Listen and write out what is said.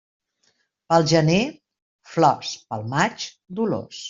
Pel gener flors, pel maig dolors.